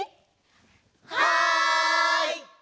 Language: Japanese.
はい！